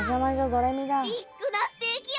ビッグなステーキや！